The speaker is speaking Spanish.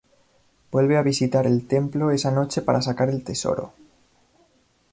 Vuelve a visitar el templo esa noche para sacar el tesoro.